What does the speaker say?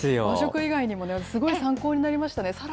和食以外にも、すごい参考になりましたね。